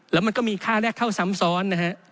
แล้วมันก็มีค่าแรกเข้าซ้ำซ้อนนะฮะ